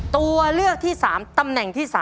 ตัวเลือกที่๓ตำแหน่งที่๓